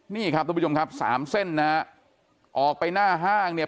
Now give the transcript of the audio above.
นี่ครับทุกผู้ชมครับสามเส้นนะฮะออกไปหน้าห้างเนี่ย